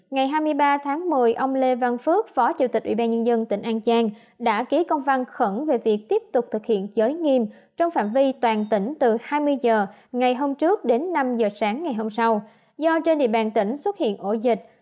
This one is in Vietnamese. ngày hai mươi ba tháng một mươi ông lê văn phước phó chủ tịch ubnd tỉnh an giang đã ký công văn khẩn về việc tiếp tục thực hiện giới nghiêm trong phạm vi toàn tỉnh từ hai mươi h ngày hôm trước đến năm h sáng ngày hôm sau do trên địa bàn tỉnh xuất hiện ổ dịch